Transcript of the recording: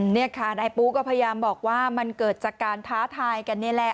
นี่ค่ะนายปูก็พยายามบอกว่ามันเกิดจากการท้าทายกันนี่แหละ